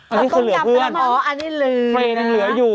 อันนี้คือเหลือเพื่อนอ๋ออันนี้เลยนะฟรีนั้นเหลืออยู่